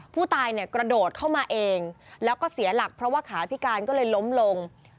ผู้ตายเนี่ยกระโดดเข้ามาเองแล้วก็เสียหลักเพราะว่าขาพิการก็เลยล้มลง